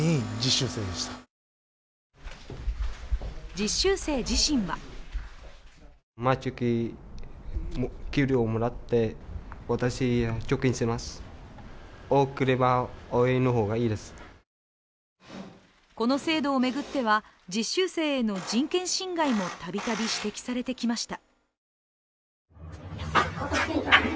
実習生自身はこの制度を巡っては、実習生への人権侵害も度々指摘されてきました。